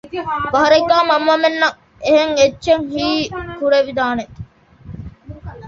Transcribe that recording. ފަހަރެއްގައި މަންމަމެންނަށް އެހެން އެއްޗެއް ހީ ކުރެވިދާނެތީ